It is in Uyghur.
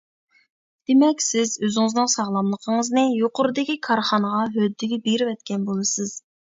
دېمەك، سىز ئۆزىڭىزنىڭ ساغلاملىقىڭىزنى يۇقىرىدىكى كارخانىغا ھۆددىگە بېرىۋەتكەن بولىسىز.